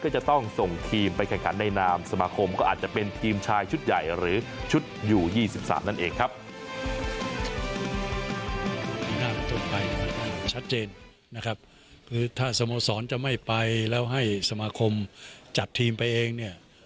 จะไปชัดเจนนะครับคือถ้าสโมสรจะไม่ไปแล้วให้สมาคมจัดทีมไปเองเนี่ย